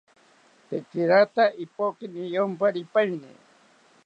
Tekirata ipoki niyomparipaeni